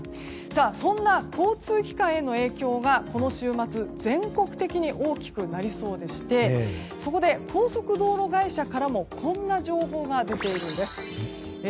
そんな交通機関への影響がこの週末全国的に大きくなりそうでしてそこで高速道路会社からもこんな情報が出ているんです。